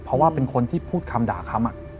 เพราะว่าเป็นคนที่พูดคำด่าคำ